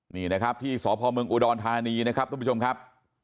นี่นะครับที่สพเมืองอุดรธานีนะครับทุกผู้ชมครับ